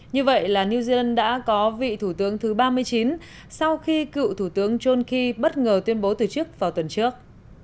như vậy là new zealand đã có vị thủ tướng thứ ba mươi chín sau khi cựu thủ tướng johnki bất ngờ tuyên bố từ chức vào tuần trước